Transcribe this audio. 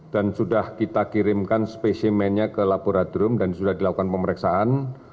dan sudah kita kirimkan spesimennya ke laboratorium dan sudah dilakukan pemeriksaan